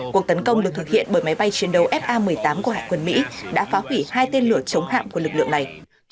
cuộc tấn công được thực hiện bởi máy bay chiến đấu fa một mươi tám của hải quân mỹ đã phá hủy hai tên lửa chống hạm của lực lượng này